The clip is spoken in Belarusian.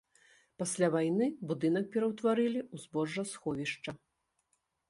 Пасля вайны будынак пераўтварылі ў збожжасховішча.